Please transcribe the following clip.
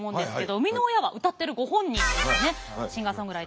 生みの親は歌ってるご本人ですね。